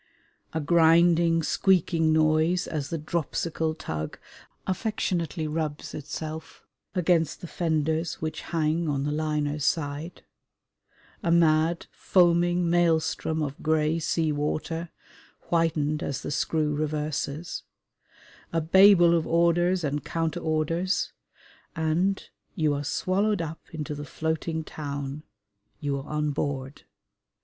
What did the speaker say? A grinding, squeaking noise as the dropsical tug affectionately rubs itself against the fenders which hang on the liner's side a mad, foaming maelstrom of grey sea water, whitened as the screw reverses a Babel of orders and counter orders, and you are swallowed up into the floating town; you are on board.